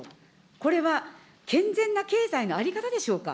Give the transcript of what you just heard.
これは健全な経済の在り方でしょうか。